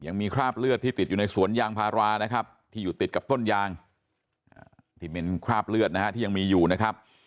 ยังมีคราบเลือดที่ติดอยู่ในสวนยางพารานะครับที่อยู่ติดกับต้นยางที่เป็นคราบเลือดนะฮะที่ยังมีอยู่นะครับ